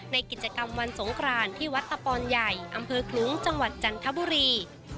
ในกิจกรรมวันสงครานที่วัดตะปอนใหญ่อำเภอคลุ้งจังหวัดจันทบุรี